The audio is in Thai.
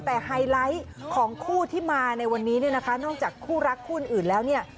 แต่ไฮไลท์ของคู่ที่มาในวันนี้เนี่ยนะคะนอกจากคู่รักคู่อื่นแล้วเนี่ย